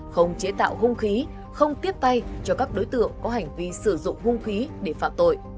không chế tạo hung khí không tiếp tay cho các đối tượng có hành vi sử dụng hung khí để phạm tội